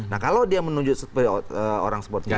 nah kalau dia menunjuk orang seperti itu